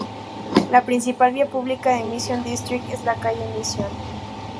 La principal vía pública de Mission District es la calle Mission.